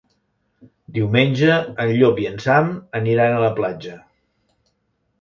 Diumenge en Llop i en Sam aniran a la platja.